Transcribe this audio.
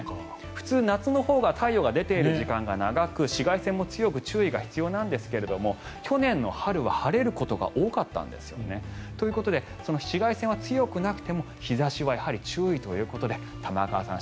普通、夏のほうが太陽が出ている時間が長く紫外線も強く注意が必要なんですが去年の春は晴れることが多かったんですよね。ということで紫外線は強くなくても日差しは注意ということで玉川さん